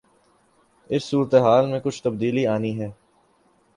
اس صورتحال میں کچھ تبدیلی آنی ہے۔